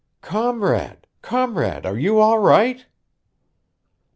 "Comrade comrade are you all right?"